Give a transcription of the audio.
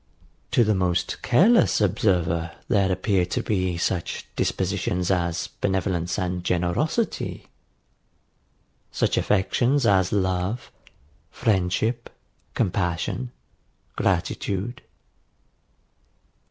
To the most careless observer there appear to be such dispositions as benevolence and generosity; such affections as love, friendship, compassion, gratitude.